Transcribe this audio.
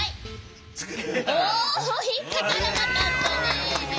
おひっかからなかったね。